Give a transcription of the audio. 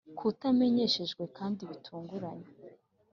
kutamenyeshejwe kandi bitunguranye,